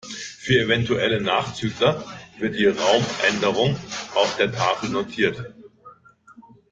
Für eventuelle Nachzügler wird die Raumänderung auf der Tafel notiert.